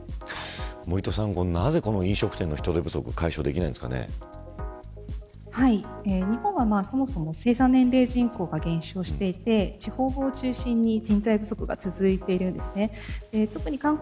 森戸さん、なぜ飲食店の人手不足は日本はそもそも生産年齢人口が減少していて地方を中心に人材不足が続いているんです。